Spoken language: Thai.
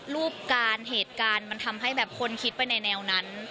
รูปการเหตุการณ์มันทำให้แบบคนคิดไปในแนวนั้น